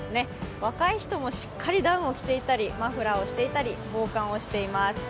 若い人もしっかりダウンを着ていたりマフラーをしていたり、防寒をしています。